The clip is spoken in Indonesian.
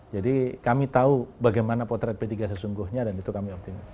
jadi kami tahu bagaimana potret p tiga sesungguhnya dan itu kami optimis